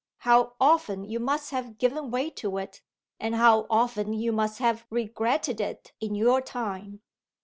how often you must have given way to it, and how often you must have regretted it, in your time!"